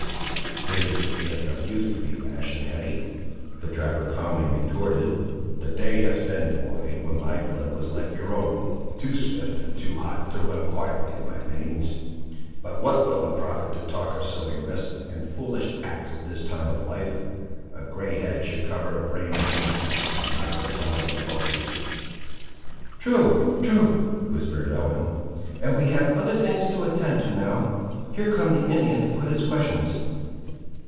"'Tis the gift of youth to be rash and heady," the trapper calmly retorted. "The day has been, boy, when my blood was like your own, too swift and too hot to run quietly in my veins. But what will it profit to talk of silly risks and foolish acts at this time of life! A grey head should cover a brain of reason, and not the tongue of a boaster." "True, true," whispered Ellen; "and we have other things to attend to now! Here comes the Indian to put his questions."